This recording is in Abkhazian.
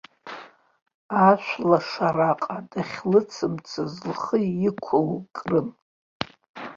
Ашәлашараҟа дахьлыцымцоз лхы иқәылкрын.